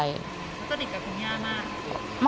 มันก็สนิทกับคุณย่ามาก